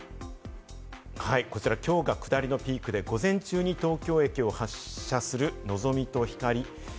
こちら、今日が下りのピークで、午前中に東京駅を発車する、のぞみとひかり。